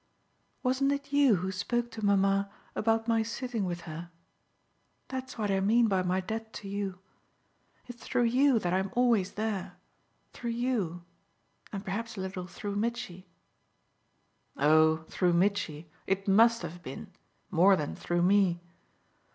"Wasn't it you who spoke to mamma about my sitting with her? That's what I mean by my debt to you. It's through you that I'm always there through you and perhaps a little through Mitchy." "Oh through Mitchy it MUST have been more than through me."